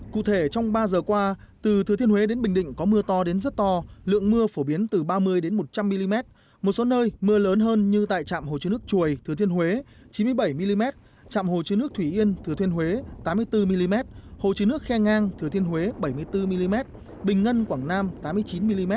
cụ thể trong ba giờ qua từ thừa thiên huế đến bình định có mưa to đến rất to lượng mưa phổ biến từ ba mươi một trăm linh mm một số nơi mưa lớn hơn như tại trạm hồ chứa nước chùa thừa thiên huế chín mươi bảy mm trạm hồ chứa nước thủy yên thừa thiên huế tám mươi bốn mm hồ chứa nước khe ngang thừa thiên huế bảy mươi bốn mm bình ngân quảng nam tám mươi chín mm